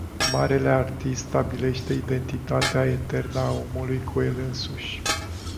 Marele artist stabilește identitatea eternă a omului cu el însuși.